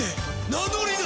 名乗りだ。